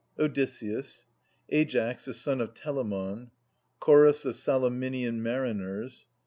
Odysseus. AiAS, the son of Telamon. Chorus of Salaminian Mariners.